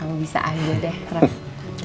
kamu bisa aja deh